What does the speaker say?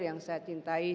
yang saya cintai saya rindu